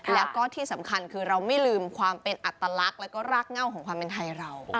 แล้วก็ที่สำคัญคือเราไม่ลืมความเป็นอัตลักษณ์แล้วก็รากเง่าของความเป็นไทยเรา